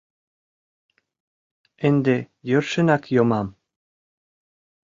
— Ынде йӧршынак йомам.